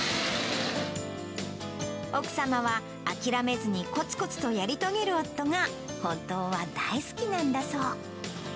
奥様は諦めずに、こつこつとやり遂げる夫が、本当は大好きなんだそう。